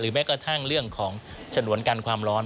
แม้กระทั่งเรื่องของฉนวนกันความร้อน